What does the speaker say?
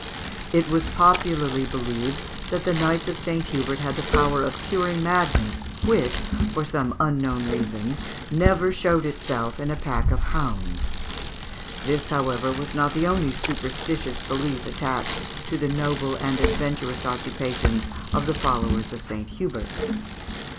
It was popularly believed that the Knights of St. Hubert had the power of curing madness, which, for some unknown reason, never showed itself in a pack of hounds. This, however, was not the only superstitious belief attached to the noble and adventurous occupations of the followers of St. Hubert.